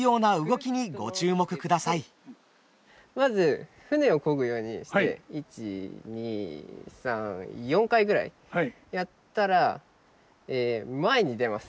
まず舟をこぐようにして１２３４回ぐらいやったら前に出ます。